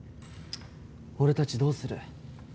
俺たちどうする？